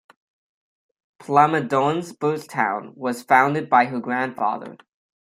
Plamondon's birth town was founded by her grandfather.